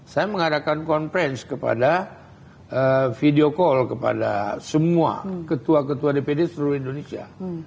saya mengadakan conference kepada video call kepada semua ketua ketua dpd seluruh indonesia